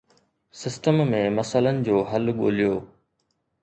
System ۾ مسئلن جو حل ڳوليو.